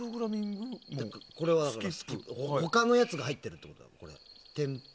ほかのやつが入ってるってこと。